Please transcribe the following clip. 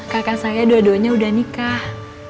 kakak saya dua duanya udah nikah